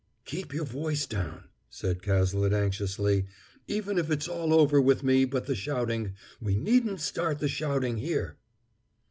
"Keep your voice down," said Cazalet anxiously. "Even if it's all over with me but the shouting, we needn't start the shouting here!"